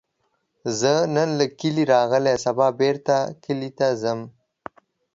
زه نن له کلي راغلم، سبا بیرته کلي ته ځم